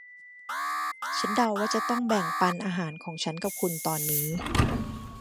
ฉันเดาว่าฉันจะต้องแบ่งปันอาหารของฉันกับคุณตอนนี้